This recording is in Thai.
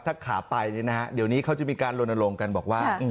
ถ้าขาไปเดี๋ยวนี้เขาจะมีการลนลงกันบอกว่า